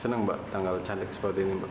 senang mbak tanggal cantik seperti ini mbak